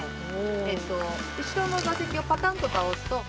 えっと後ろの座席をパタンと倒すと。